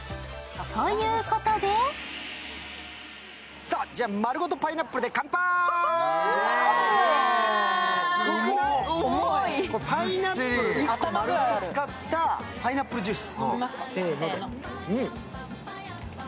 ということでパイナップル１個丸ごと使ったパイナップルジュース。